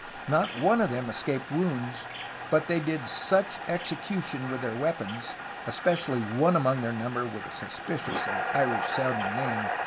Not one of them escaped wounds, but they did such execution with their weapons, especially one among their number with a sus piciously Irish sounding name.